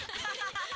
sisiknya buat aku